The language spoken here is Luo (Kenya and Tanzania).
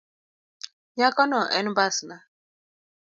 Nyakono en mbasna.